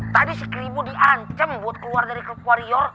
tadi si keribo di ancam buat keluar dari klub warrior